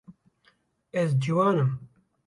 Ez ciwan im.